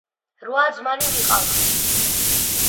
რვა ძმანი ვიყავით.